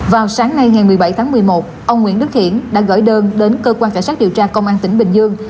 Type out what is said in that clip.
vào sáng nay ngày một mươi bảy tháng một mươi một ông nguyễn đức hiển đã gửi đơn đến cơ quan cảnh sát điều tra công an tỉnh bình dương